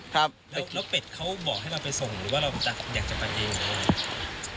ครับแล้วเป็ดเขาบอกให้เราไปส่งหรือว่าเราจะอยากจะไปเองหรืออะไร